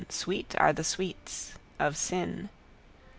Sweet are the sweets. Of sin.